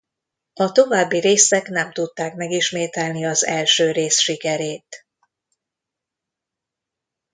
A további részek nem tudták megismételni az első rész sikerét.